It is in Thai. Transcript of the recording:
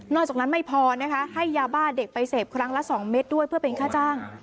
จากนั้นไม่พอนะคะให้ยาบ้าเด็กไปเสพครั้งละ๒เม็ดด้วยเพื่อเป็นค่าจ้าง